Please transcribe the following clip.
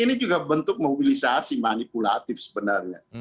ini juga bentuk mobilisasi manipulatif sebenarnya